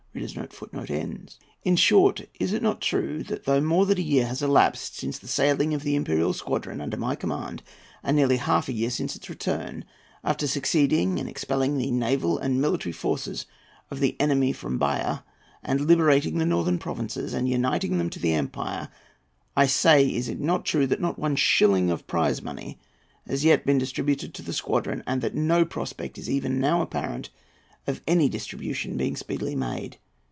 ] In short, is it not true that though more than a year has elapsed since the sailing of the imperial squadron under my command, and nearly half a year since its return, after succeeding in expelling the naval and military forces of the enemy from Bahia, and liberating the northern provinces, and uniting them to the empire; I say is it not true that not one shilling of prize money has yet been distributed to the squadron, and that no prospect is even now apparent of any distribution being speedily made?